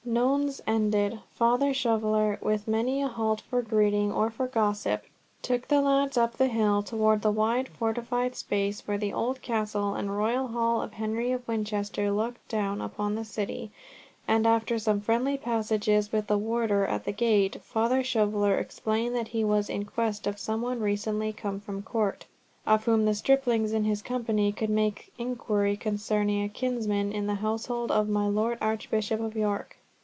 Nones ended, Father Shoveller, with many a halt for greeting or for gossip, took the lads up the hill towards the wide fortified space where the old Castle and royal Hall of Henry of Winchester looked down on the city, and after some friendly passages with the warder at the gate, Father Shoveller explained that he was in quest of some one recently come from court, of whom the striplings in his company could make inquiry concerning a kinsman in the household of my Lord Archbishop of York.